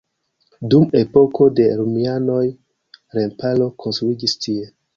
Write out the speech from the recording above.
Dum epoko de romianoj remparo konstruiĝis tie.